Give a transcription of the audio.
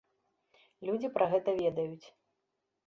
Людзі пра гэта ведаюць.